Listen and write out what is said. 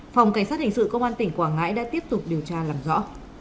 phòng cảnh sát hình sự công an tỉnh quảng ngãi đã tiếp tục điều tra làm rõ